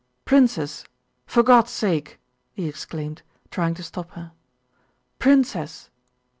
"Princess, for God's sake!" he exclaimed, trying to stop her. "Princess!"